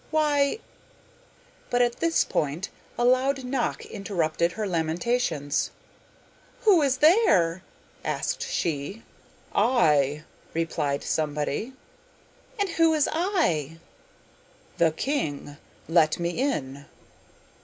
Why ' but at this point a loud knock interrupted her lamentations. 'Who is there?' asked she. 'I!' replied somebody. 'And who is "I"?' 'The king. Let me in.